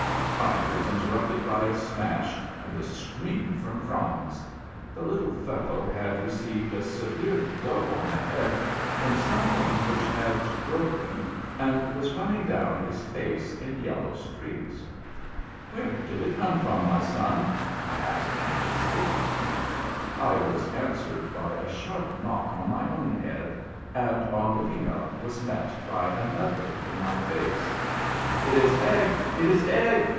I was interrupted by a smash, and a scream from Franz. The little fellow had received :. severe blow on the head from something which had broken, and was running down his face in yellow streaks. " Where did it come from, my son ?" I asked anxiously. STRANGE HABITS OF THE MONKEYS. 13 '.V •■'•'.. if) THE HOLLY TREE. I was answered by a sharp knock on my own head, and on looking up was met by another in my face. " It is egg ! it is egg